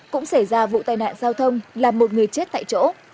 cũng xảy ra vụ tai nạn giao thông làm một người chết tại chỗ